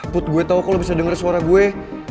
put gue tau kalo bisa denger suara gue